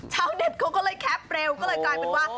ชาวเน็ตเขาก็เลยแคปเร็วก็เลยกลายเป็นว่า